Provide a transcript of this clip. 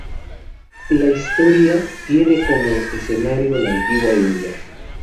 La historia tiene como escenario la antigua India.